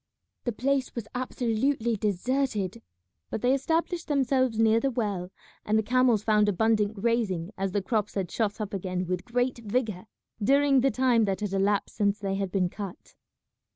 The place was absolutely deserted, but they established themselves near the well, and the camels found abundant grazing, as the crops had shot up again with great vigour during the time that had elapsed since they had been cut.